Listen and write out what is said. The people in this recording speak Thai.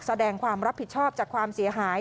แสดงความรับผิดชอบจากความเสียหาย